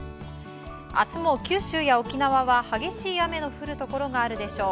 明日も、九州や沖縄は激しい雨の降るところがあるでしょう。